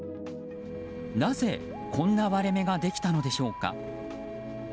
なぜ、こんな割れ目ができたのでしょうか。